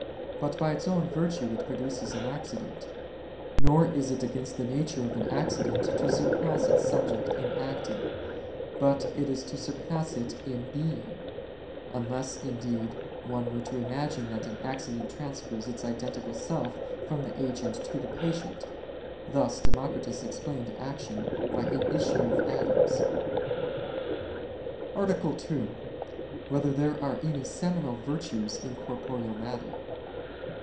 But by its own virtue it produces an accident. Nor is it against the nature of an accident to surpass its subject in acting, but it is to surpass it in being; unless indeed one were to imagine that an accident transfers its identical self from the agent to the patient; thus Democritus explained action by an issue of atoms. _______________________ SECOND ARTICLE [I, Q. 115, Art. 2] Whether There Are Any Seminal Virtues in Corporeal Matter?